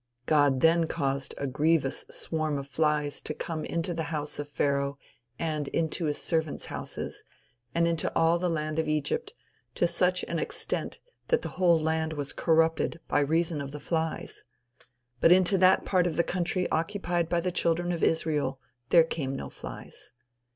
God then caused a grievous swarm of flies to come into the house of Pharaoh and into his servants' houses, and into all the land of Egypt, to such an extent that the whole land was corrupted by reason of the flies. But into that part of the country occupied by the children of Israel there came no flies.